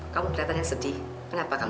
kamu kelihatannya sedih kenapa kamu